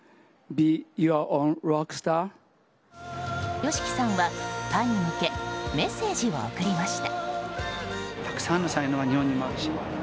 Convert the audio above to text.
ＹＯＳＨＩＫＩさんはファンに向けメッセージを送りました。